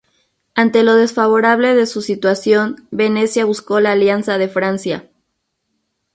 Ante lo desfavorable de su situación, Venecia buscó la alianza de Francia.